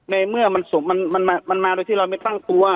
ในเมื่อมันศพมันมาโดยที่เราไม่ตั้งตัว